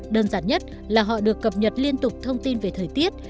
đơn giản nhất là họ được cập nhật liên tục thông tin về thời tiết